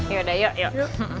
yaudah yuk yuk